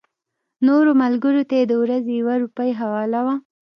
نورو ملګرو ته یې د ورځې یوه روپۍ حواله وه.